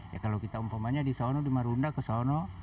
ya kalau kita umpamanya di sana di marunda ke sana